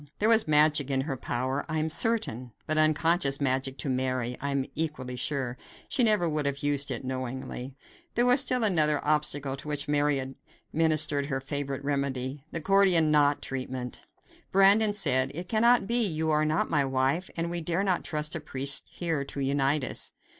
There was magic in her power, I am certain, but unconscious magic to Mary, I am equally sure. She never would have used it knowingly. There was still another obstacle to which Mary administered her favorite remedy, the Gordian knot treatment. Brandon said: "It cannot be; you are not my wife, and we dare not trust a priest here to unite us."